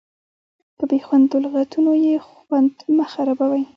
په بې خوندو لغتونو یې خوند مه خرابوئ.